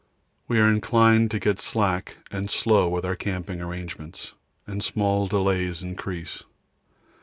We are inclined to get slack and slow with our camping arrangements, and small delays increase.